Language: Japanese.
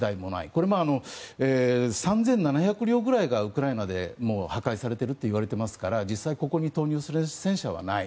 これも３７００両ぐらいがウクライナで破壊されているといわれていますから実際、ここに投入する戦車はない。